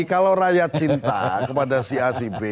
kalau rakyat cinta kepada si acb